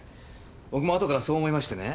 僕も後からそう思いましてね。